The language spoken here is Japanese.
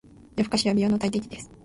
夜更かしは美容の大敵です。